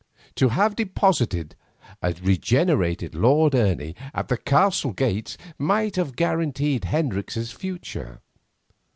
To have deposited a regenerated Lord Ernie at the castle gates might have guaranteed Hendricks' future.